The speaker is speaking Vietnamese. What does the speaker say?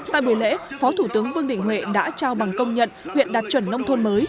tại buổi lễ phó thủ tướng vương đình huệ đã trao bằng công nhận huyện đạt chuẩn nông thôn mới